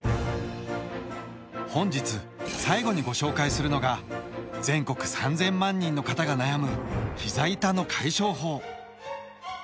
本日最後にご紹介するのが全国３，０００万人の方が悩むひざ痛の解消法。